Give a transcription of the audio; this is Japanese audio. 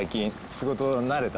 仕事慣れた？